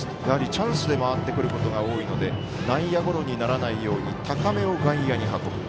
チャンスで回ってくることが多いので内野ゴロにならないように高めを外野に運ぶ。